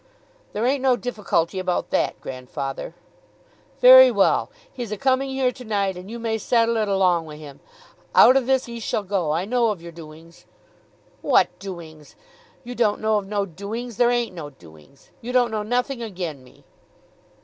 "There ain't no difficulty about that, grandfather." "Very well. He's a coming here to night, and you may settle it along wi' him. Out o' this ye shall go. I know of your doings." "What doings! You don't know of no doings. There ain't no doings. You don't know nothing ag'in me."